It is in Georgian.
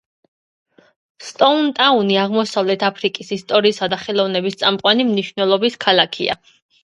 სტოუნ-ტაუნი აღმოსავლეთ აფრიკის ისტორიისა და ხელოვნების წამყვანი მნიშვნელობის ქალაქია.